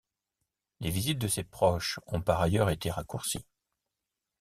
Les visites de ses proches ont par ailleurs été raccourcies.